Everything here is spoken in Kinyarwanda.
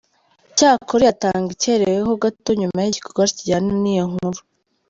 Cyakora iyatanga ikereweho gato nyuma y’igikorwa kijyana n’iyo nkuru.